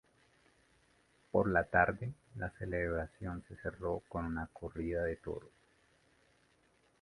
Por la tarde la celebración se cerró con una corrida de toros.